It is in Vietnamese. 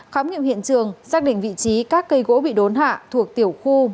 khám nghiệm hiện trường xác định vị trí các cây gỗ bị đốn hạ thuộc tiểu khu một nghìn ba trăm chín mươi sáu